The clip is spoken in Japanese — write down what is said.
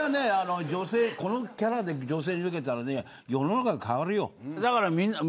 このキャラで女性に受けたら世の中が変わるよ。